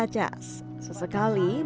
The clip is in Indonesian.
berdua berdua berdua berdua